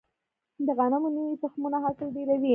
د غنمو نوي تخمونه حاصل ډیروي.